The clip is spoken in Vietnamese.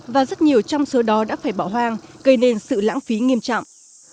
và rất nhiều trong số đó đã phải bỏ hoang gây nên sự lãng phí nghiêm trọng